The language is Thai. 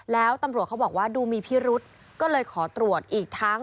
แล้วตำรวจเขาบอกว่าดูมีพิรุษก็เลยขอตรวจอีกทั้ง